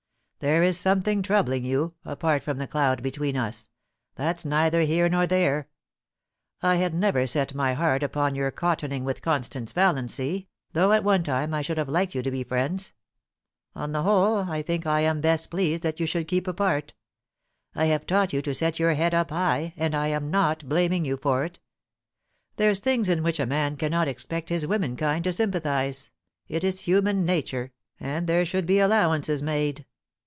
There is something troubling you, apart from the cloud between us — that's neither here nor there. I had never set my heart upon your cottoning with Constance Valiancy, though at one time I should have liked you to be friends. On the whole, I think I'm best pleased that you should keep apart I have taught you to set your head up high, and I am not blaming you for it. There's things in which a man cannot expect his womenkind to sympathise — it is human nature, and there should be allow ances made.